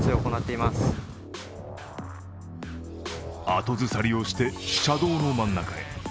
後ずさりをして車道の真ん中へ。